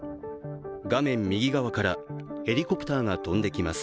画面右側からヘリコプターが飛んできます。